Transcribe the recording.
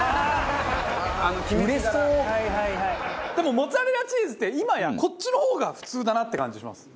でもモッツァレラチーズって今やこっちの方が普通だなって感じします。